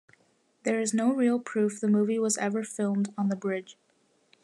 There is no real proof the movie was ever filmed on the bridge.